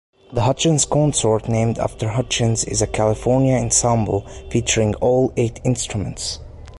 The Hutchins Consort, named after Hutchins, is a California ensemble featuring all eight instruments.